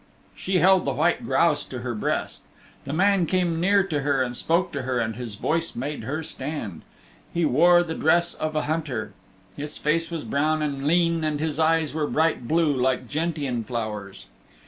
Sheen held the white grouse to her breast. The man came near to her and spoke to her and his voice made her stand. He wore the dress of a hunter. His face was brown and lean and his eyes were bright blue like gentian flowers.